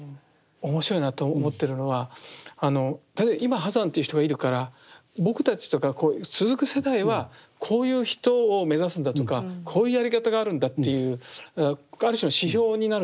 面白いなと思ってるのは今波山っていう人がいるから僕たちとかこういう続く世代はこういう人を目指すんだとかこういうやり方があるんだっていうある種の指標になるじゃないですか。